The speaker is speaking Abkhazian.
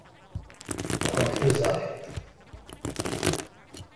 Ухынҳәызааит.